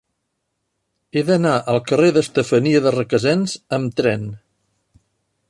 He d'anar al carrer d'Estefania de Requesens amb tren.